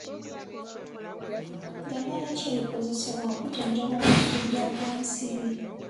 Ddagala ki erikozesebwa okujjanjaba omusujja gw'ensiri?